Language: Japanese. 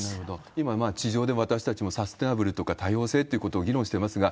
今、地上でも私たちもサステナブルとか多様性っていうことを議論してますが、